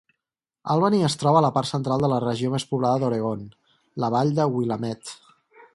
Albany es troba a la part central de la regió més poblada d'Oregon, la vall de Willamette.